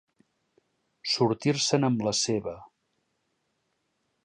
Sortir-se'n amb la seva.